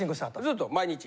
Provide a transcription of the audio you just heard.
ずっと毎日！